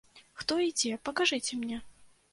Хто і дзе, пакажыце мне?